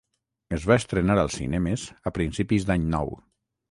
Es va estrenar als cinemes a principis d'any nou.